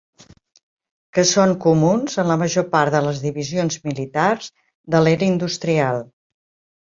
Que són comuns en la major part de les divisions militars de l'era industrial.